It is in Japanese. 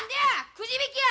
くじ引きや！